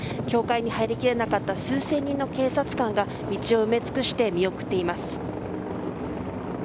教会に入りきらなかった数千人の警察官が道を埋め尽くして見送っています。